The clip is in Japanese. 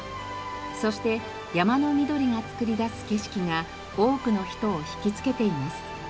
そして山の緑が作り出す景色が多くの人を引きつけています。